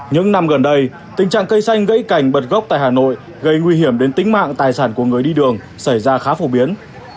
những năm gần đây tình trạng cây xanh gãy cành bật gốc tại hà nội gây nguy hiểm đến tính mạng tài sản của người đi đường xảy ra khá phổ biến